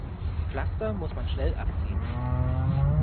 Pflaster muss man schnell abziehen.